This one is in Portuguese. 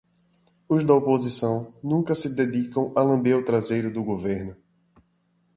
Os da oposição nunca se dedicam a lamber o traseiro do governo.